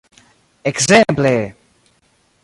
Ekzemple!